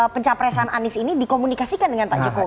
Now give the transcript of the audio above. pencapresan anies ini dikomunikasikan dengan pak jokowi